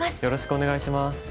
よろしくお願いします。